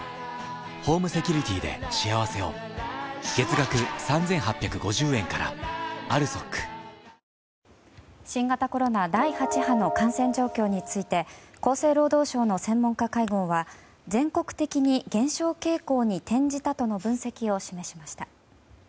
爆発音は数キロ離れた場所まで届き新型コロナ第８波の感染状況について厚生労働省の専門家会合は全国的に減少傾向に転じたとの分析を示しました。